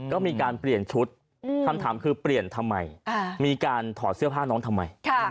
ก็มีการเปลี่ยนชุดคำถามคือเปลี่ยนทำไมมีการถอดเสื้อผ้าน้องทำไม